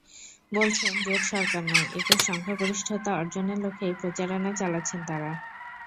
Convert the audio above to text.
বলছেন, জোট সরকার নয়, একক সংখ্যাগরিষ্ঠতা অর্জনের লক্ষ্যেই প্রচারণা চালাচ্ছেন তাঁরা।